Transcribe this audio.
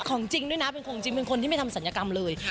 ของจริงด้วยนะเป็นคนที่ไม่ทำศัยกรรมเลย